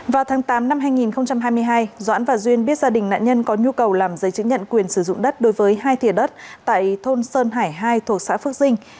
vào tháng tám năm hai nghìn hai mươi hai doãn và duyên biết gia đình nạn nhân có nhu cầu làm giấy chứng nhận quyền sử dụng đất đối với hai thịa đất tại thôn sơn hải hai thuộc xã phước dinh